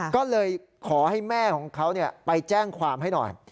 ก็เลยขอให้แม่ของเขาไปแจ้งความให้หน่อย